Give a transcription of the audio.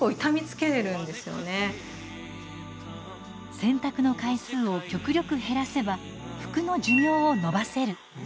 洗濯の回数を極力減らせば服の寿命を延ばせる。